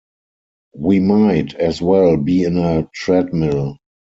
We might as well be in a treadmill.